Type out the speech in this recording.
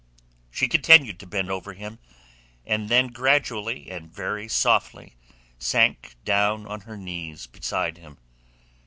She continued to bend over him, and then gradually and very softly sank down on her knees beside him.